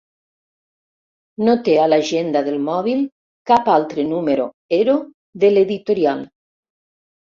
No té a l'agenda del mòbil cap altre número ero de l'editorial.